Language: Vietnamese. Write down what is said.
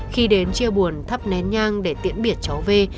khi đến chia buồn thắp nén nhang để tiễn biệt cháu v